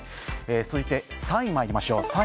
続いて３位にまいりましょう。